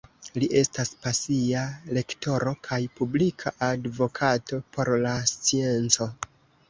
Li estas pasia lektoro kaj publika advokato por la scienco.